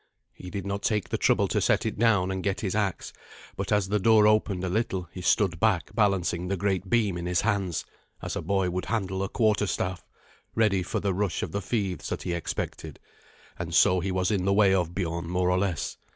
He did not take the trouble to set it down and get his axe; but as the door opened a little he stood back balancing the great beam in his hands, as a boy would handle a quarterstaff, ready for the rush of the thieves that he expected, and so he was in the way of Biorn more or less.